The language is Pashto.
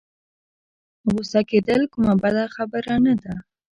غوسه کېدل کومه بده خبره نه ده.